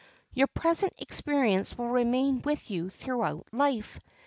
Your present experience will remain with you through life.